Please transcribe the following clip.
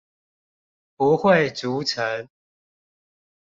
不會築城